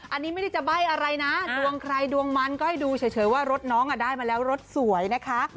อันนี้ไม่ได้จะใบ้อะไรนะดวงใครดวงมันก็ให้ดูเฉยว่ารถน้องได้มาแล้วรถสวยนะคะ